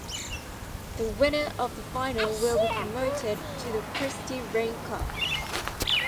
The winner of the final will be promoted to the Christy Ring Cup.